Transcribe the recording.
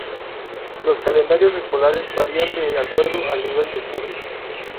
Los calendarios escolares varían de acuerdo al nivel de estudios.